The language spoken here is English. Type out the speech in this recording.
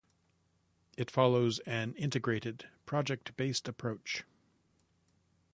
It follows an integrated, project-based approach.